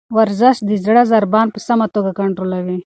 ورزش د زړه ضربان په سمه توګه کنټرولوي.